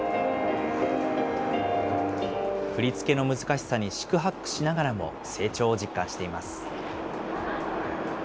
振り付けの難しさに四苦八苦しながらも、成長を実感しています。